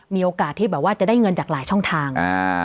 มีโอกาสที่แบบว่าจะได้เงินจากหลายช่องทาง